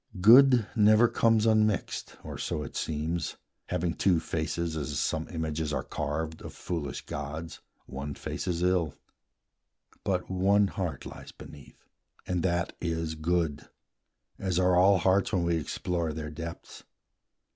Good never comes unmixed, or so it seems, Having two faces, as some images Are carved, of foolish gods; one face is ill; But one heart lies beneath, and that is good, As are all hearts, when we explore their depths.